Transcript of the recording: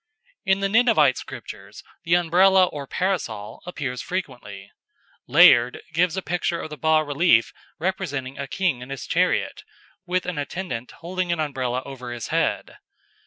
In the Ninevite sculptures the Umbrella or Parasol appears frequently. Layard gives a picture of a bas relief representing a king in his chariot, with an attendant holding an Umbrella over his head.